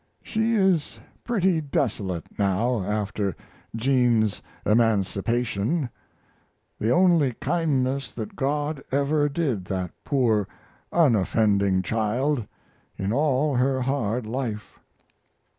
She is pretty desolate now after Jean's emancipation the only kindness that God ever did that poor, unoffending child in all her hard life.